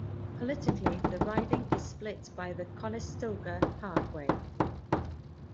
Politically, the riding is split by the Conestoga Parkway.